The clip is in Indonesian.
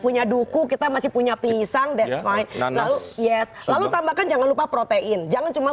punya duku kita masih punya pisang dan selain itu yes lalu tambahkan jangan lupa protein jangan cuma